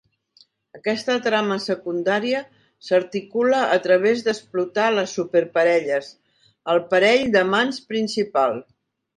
Aquesta trama secundària s'articula a través d'explotar les superparelles, el parell d'amants principal.